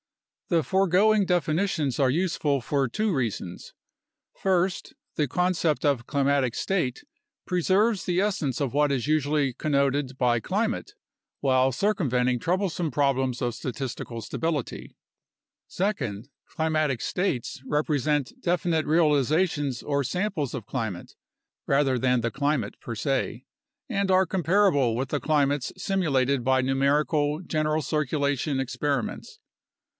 The foregoing definitions are useful for two reasons. First, the con cept of climatic state preserves the essence of what is usually connoted by climate, while circumventing troublesome problems of statistical 20 UNDERSTANDING CLIMATIC CHANGE stability. Second, climatic states represent definite realizations or samples of climate (rather than the climate per se) and are comparable with the climates simulated by numerical general circulation experi ments.